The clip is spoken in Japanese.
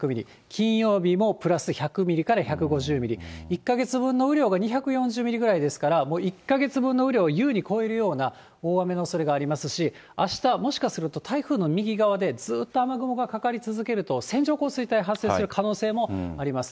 金曜日もプラス１００ミリから１５０ミリ、１か月分の雨量が２４０ミリぐらいですから、もう１か月分の雨量を優に超えるような大雨のおそれがありますし、あした、もしかすると台風の右側でずっと雨雲がかかり続けると、線状降水帯、発生する可能性もあります。